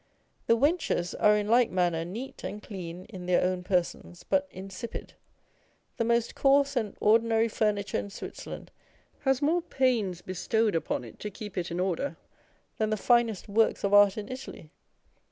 The wenches are in like manner neat and clean in their own persons, but insipid. The most coarse and ordinary furniture in Switzerland has more pains bestowed upon it to keep it in order than the finest works of art in Italy.